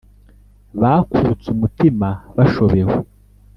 bakutse umutima, bashobewe ;